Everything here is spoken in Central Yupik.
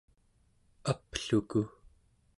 apluku